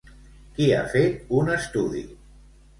Qui ha fet un estudi?